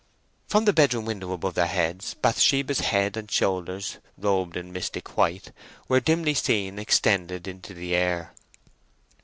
From the bedroom window above their heads Bathsheba's head and shoulders, robed in mystic white, were dimly seen extended into the air.